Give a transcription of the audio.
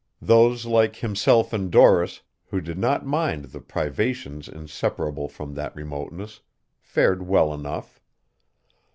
Those like himself and Doris, who did not mind the privations inseparable from that remoteness, fared well enough.